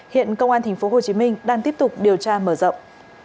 hiện công an tp hcm đang tiếp tục điều tra mở rộng